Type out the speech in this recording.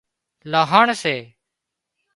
لانهڻ سي